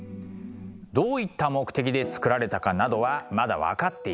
どういった目的で作られたかなどはまだ分かっていないんです。